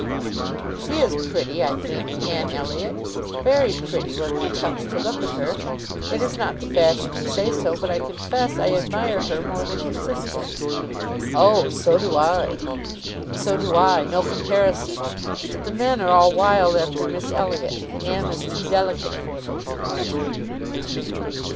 "She is pretty, I think; Anne Elliot; very pretty, when one comes to look at her. It is not the fashion to say so, but I confess I admire her more than her sister." "Oh! so do I." "And so do I. No comparison. But the men are all wild after Miss Elliot. Anne is too delicate for them."